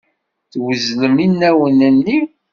Teswezlem inaw-nni.